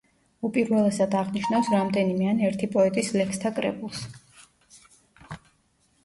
უპირველესად აღნიშნავს რამდენიმე ან ერთი პოეტის ლექსთა კრებულს.